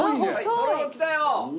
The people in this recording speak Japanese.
とろろきたよ！